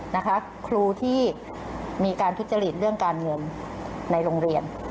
นะคะครูที่มีการทุจริตเรื่องการเงินในโรงเรียน